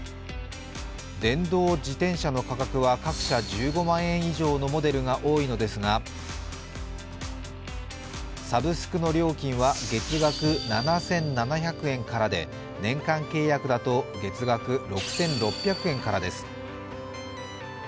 電動自転車の価格は各社１５万円以上のモデルが多いのですがサブスクの料金は月額７７００円からで、年間契約だと月額６６００円からです。